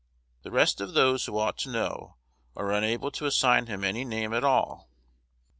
The rest of those who ought to know are unable to assign him any name at all. Dr.